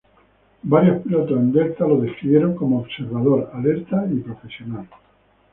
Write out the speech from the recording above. Varios pilotos en Delta lo describieron como observador, alerta y profesional.